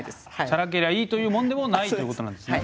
チャラけりゃいいというもんでもないっていうことなんですね。